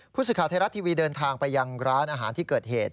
ผู้สื่อข่าวไทยรัฐทีวีเดินทางไปยังร้านอาหารที่เกิดเหตุ